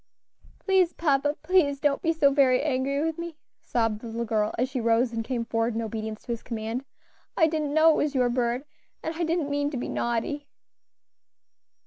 "Please, papa, please don't be so very angry with me," sobbed the little girl, as she rose and came forward in obedience to his command; "I didn't know it was your bird, and I didn't mean to be naughty."